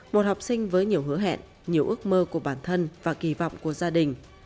một học sinh với nhiều hứa hẹn nhiều ước mơ của bản thân và kỳ vọng của gia đình